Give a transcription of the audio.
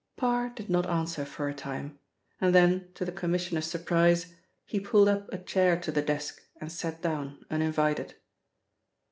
Parr did not answer for a time, and then to the Commissioner's surprise, he pulled up a chair to the desk and sat down uninvited.